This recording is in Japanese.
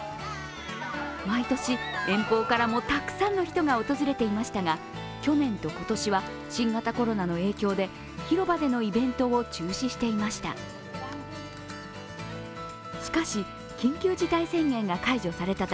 毎年、遠方からもたくさんの人が訪れていましたが、去年と今年は新型コロナの影響で広場でのイベントを中止していました。